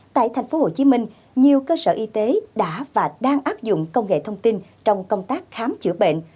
tại tp hcm nhiều cơ sở y tế đã và đang áp dụng công nghệ thông tin trong công tác khám chữa bệnh